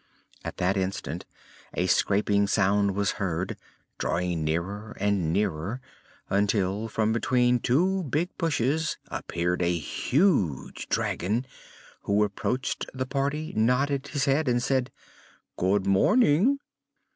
At that instant a scraping sound was heard, drawing nearer and nearer until from between two big bushes appeared a huge dragon, who approached the party, nodded his head and said: "Good morning."